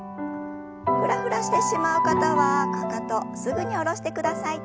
フラフラしてしまう方はかかとすぐに下ろしてください。